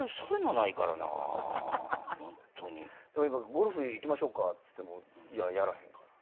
ゴルフ行きましょうかっつっても「いややらへんから」